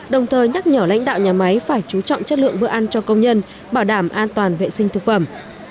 đồng thời nhắc nhở lãnh đạo nhà máy phải chú trọng chất lượng bữa ăn cho công nhân bảo đảm an toàn vệ sinh thực phẩm